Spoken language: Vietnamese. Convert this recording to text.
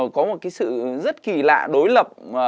có một cái sự rất kỳ lạ đối lập